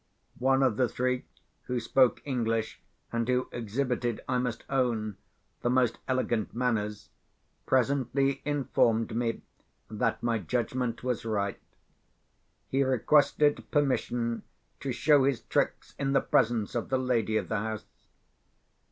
One of the three, who spoke English and who exhibited, I must own, the most elegant manners, presently informed me that my judgment was right. He requested permission to show his tricks in the presence of the lady of the house.